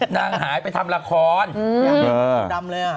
น้างหายไปทำละคร